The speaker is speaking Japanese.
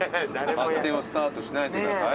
勝手にスタートしないでください。